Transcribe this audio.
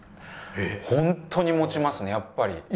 ホントに持ちますねやっぱり。